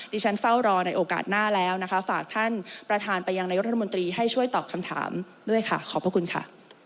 ที่ฉันเฝ้ารอในโอกาสหน้าแล้วนะคะฝากท่านประธานไปยังนายกรัฐมนตรีให้ช่วยตอบคำถามด้วยค่ะขอบพระคุณค่ะ